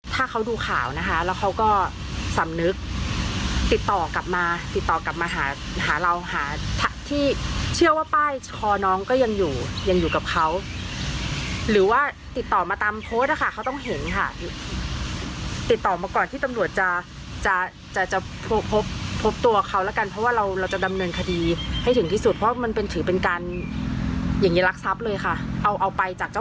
ถ้าเขาดูข่าวนะคะแล้วเขาก็สำนึกติดต่อกลับมาติดต่อกลับมาหาหาเราหาที่เชื่อว่าป้ายคอน้องก็ยังอยู่ยังอยู่กับเขาหรือว่าติดต่อมาตามโพสต์นะคะเขาต้องเห็นค่ะติดต่อมาก่อนที่ตำรวจจะจะจะพบพบตัวเขาแล้วกันเพราะว่าเราเราจะดำเนินคดีให้ถึงที่สุดเพราะมันเป็นถือเป็นการอย่างนี้รักทรัพย์เลยค่ะเอาเอาไปจากเจ้า